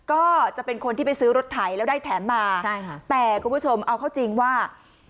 ก็จะเป็นคนที่ไปซื้อรถไถแล้วได้แถมมาใช่ค่ะแต่คุณผู้ชมเอาเข้าจริงว่า